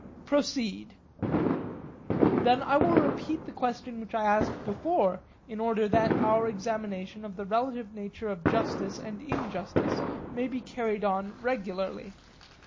Proceed. Then I will repeat the question which I asked before, in order that our examination of the relative nature of justice and injustice may be carried on regularly.